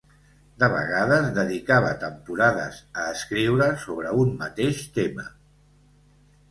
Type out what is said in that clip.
De vegades, dedicava temporades a escriure sobre un mateix tema.